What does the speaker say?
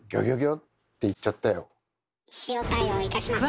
塩対応いたしません。